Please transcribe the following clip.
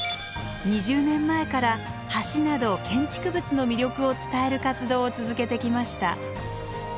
２０年前から橋など建築物の魅力を伝える活動を続けてきました。